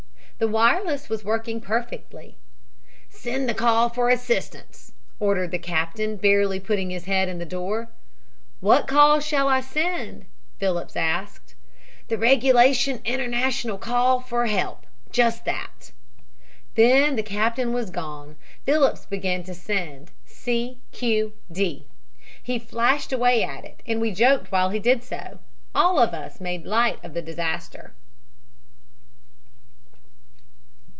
The wireless was working perfectly. "'Send the call for assistance,' ordered the captain, barely putting his head in the door. "'What call shall I send?' Phillips asked. "'The regulation international call for help. Just that.' "Then the captain was gone Phillips began to send 'C. Q. D.' He flashed away at it and we joked while he did so. All of us made light of the disaster.